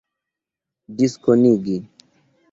diskonigi